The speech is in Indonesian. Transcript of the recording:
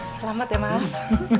selamat ya mas